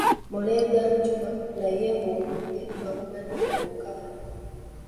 Mulenganjuba naye ng'obudde babumanyi okukala.